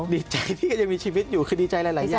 ดีใจที่ยังมีชีวิตอยู่คือดีใจหลายอย่าง